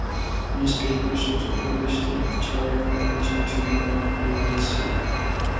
Newspapers also published a photograph alleging to be of the monster.